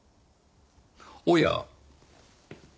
おや？